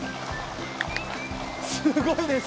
すごいです。